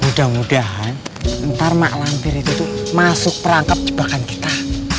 eh mudah mudahan ntar malampir itu tuh masuk perangkap jebakan kita